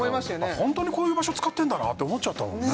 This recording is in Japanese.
ホントにこういう場所使ってんだなって思っちゃったもんね